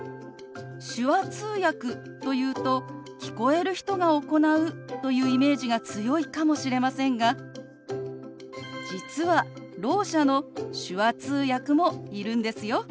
手話通訳というと聞こえる人が行うというイメージが強いかもしれませんが実はろう者の手話通訳もいるんですよ。